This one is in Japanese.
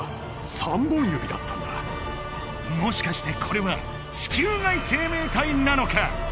もしかしてこれは地球外生命体なのか！？